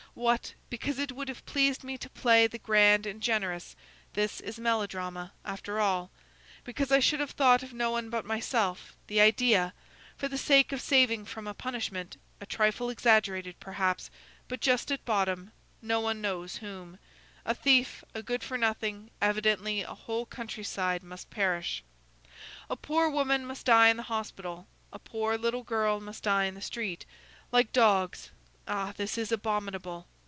What! because it would have pleased me to play the grand and generous; this is melodrama, after all; because I should have thought of no one but myself, the idea! for the sake of saving from a punishment, a trifle exaggerated, perhaps, but just at bottom, no one knows whom, a thief, a good for nothing, evidently, a whole country side must perish! a poor woman must die in the hospital! a poor little girl must die in the street! like dogs; ah, this is abominable!